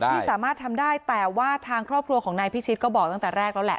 ที่สามารถทำได้แต่ว่าทางครอบครัวของนายพิชิตก็บอกตั้งแต่แรกแล้วแหละ